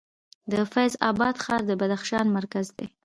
د فیض اباد ښار د بدخشان مرکز دی